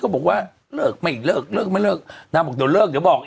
บอกว่าเลิกไม่เลิกเลิกไม่เลิกนางบอกเดี๋ยวเลิกเดี๋ยวบอก